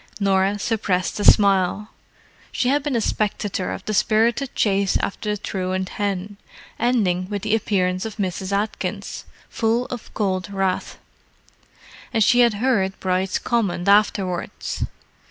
Norah suppressed a smile. She had been a spectator of the spirited chase after the truant hen, ending with the appearance of Mrs. Atkins, full of cold wrath; and she had heard Bride's comment afterwards.